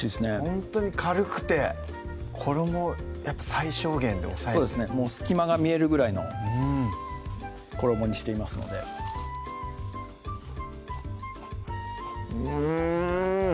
ほんとに軽くて衣を最小限で抑えるとそうですねもう隙間が見えるぐらいの衣にしていますのでうん！